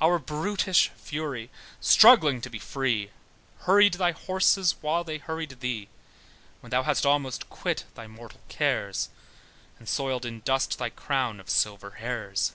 Our brutish fury struggling to be free, Hurried thy horses while they hurried thee, When thou hadst almost quit thy mortal cares, And soiled in dust thy crown of silver hairs.